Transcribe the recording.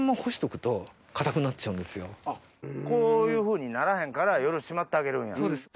こういうふうにならへんから夜しまってあげるんや。